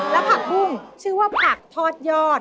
แล้วผักบุ้งชื่อว่าผักทอดยอด